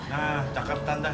nah cakep tante